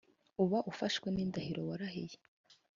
Uba ufashwe n indahiro warahiye